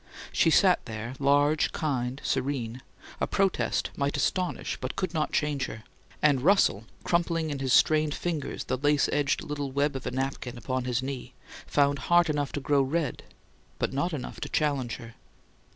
She sat there, large, kind, serene a protest might astonish but could not change her; and Russell, crumpling in his strained fingers the lace edged little web of a napkin on his knee, found heart enough to grow red, but not enough to challenge her.